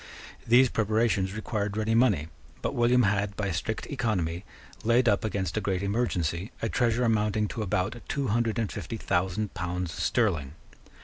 These preparations required ready money: but William had, by strict economy, laid up against a great emergency a treasure amounting to about two hundred and fifty thousand pounds sterling.